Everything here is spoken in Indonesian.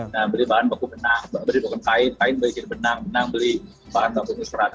nah beli bahan baku benang beli bahan kain beli kain benang benang beli bahan baku muskrat